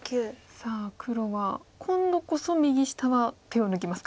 さあ黒は今度こそ右下は手を抜きますか？